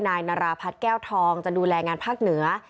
นายนาราพัฒน์แก้วทองจะดูแลงานภาคเหนือ